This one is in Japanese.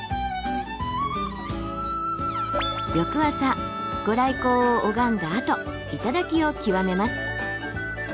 翌朝御来光を拝んだあと頂を極めます。